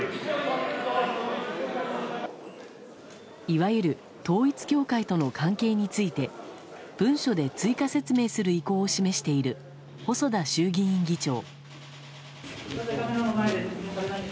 いわゆる統一教会との関係について文書で追加説明する意向を示している細田衆議院議長。